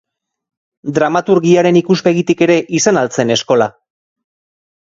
Dramaturgiaren ikuspegitik ere izan al zen eskola?